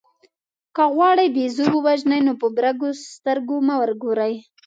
که غواړئ بېزو ووژنئ نو په برګو سترګو مه ورګورئ.